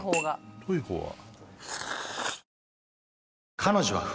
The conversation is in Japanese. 太い方は。